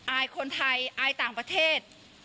อายคนไทยอายต่างประเทศ